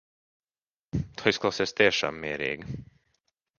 Tu izklausies tiešām mierīga.